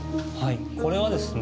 これはですね